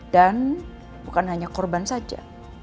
dan bukan hanya korban saja